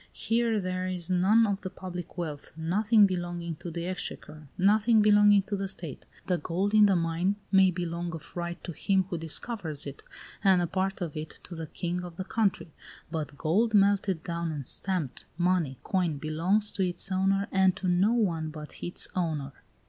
Here there is none of the public wealth, nothing belonging to the exchequer, nothing belonging to the state. The gold in the mine may belong of right to him who discovers it, and a part of it to the king of the country; but gold melted down and stamped money, coin belongs to its owner and to no one but its owner.